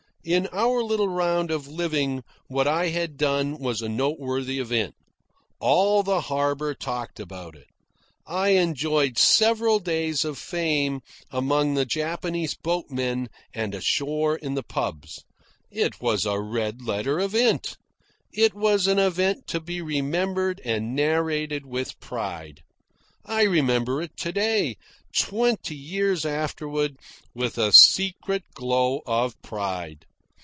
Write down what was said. In our little round of living what I had done was a noteworthy event. All the harbour talked about it. I enjoyed several days of fame among the Japanese boatmen and ashore in the pubs. It was a red letter event. It was an event to be remembered and narrated with pride. I remember it to day, twenty years afterward, with a secret glow of pride.